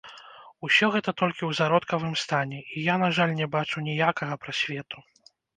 Усё гэта толькі ў зародкавым стане, і я, на жаль, не бачу ніякага прасвету.